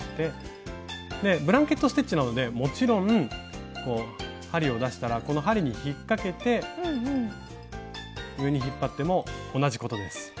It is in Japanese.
ブランケット・ステッチなのでもちろん針を出したらこの針に引っかけて上に引っ張っても同じことです。